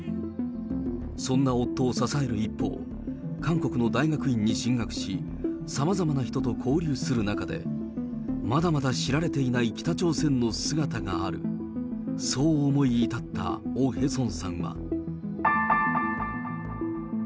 そんな夫を支える一方、韓国の大学院に進学し、さまざまな人と交流する中で、まだまだ知られていない北朝鮮の姿がある、そう思い至ったオ・ヘソンさんは。